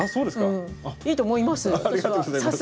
いいと思います。